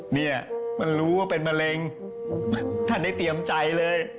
เนี่ยมันรู้ว่าเป็นมะเร็งท่านได้เตรียมใจเลย